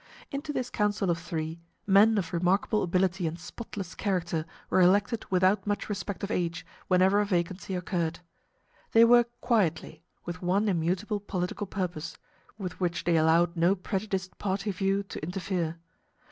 Into this council of three, men of remarkable ability and spotless character were elected without much respect of age whenever a vacancy occurred. They worked quietly, with one immutable political purpose, with which they allowed no prejudiced party view to interfere.